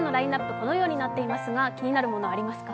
このようになっていますが、気になるものありますか？